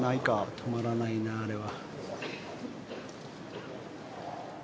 止まらないな、あれは。